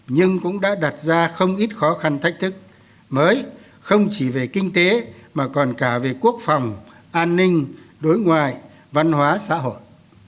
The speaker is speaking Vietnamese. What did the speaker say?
nhưng cũng đã đặt ra không ít khó khăn thách thức mới không chỉ về kinh tế mà còn cả về quốc phòng an ninh đối ngoại văn hóa xã hội